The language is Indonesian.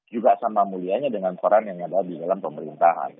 juga sama mulianya dengan peran yang ada di dalam pemerintahan